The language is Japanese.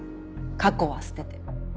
過去は捨てて。